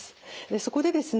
そこでですね